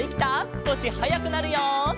すこしはやくなるよ。